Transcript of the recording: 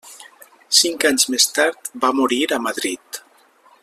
Cinc anys més tard va morir a Madrid.